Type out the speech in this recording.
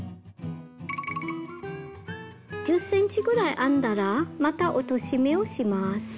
１０ｃｍぐらい編んだらまた落とし目をします。